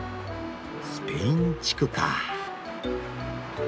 「スペイン地区」か。